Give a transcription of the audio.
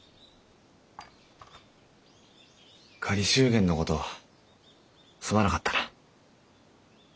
仮祝言のことすまなかったな。